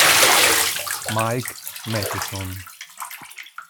Mike Matheson